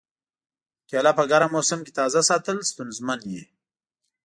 کېله په ګرم موسم کې تازه ساتل ستونزمن وي.